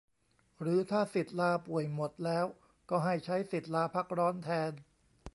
หรือถ้าสิทธิ์ลาป่วยหมดแล้วก็ให้ใช้สิทธิ์ลาพักร้อนแทน